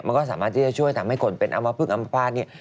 มันก็สามารถที่จะช่วยทำให้คนเป็นอำภาษณ์